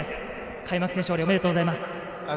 開幕戦勝利、おめでとうございます。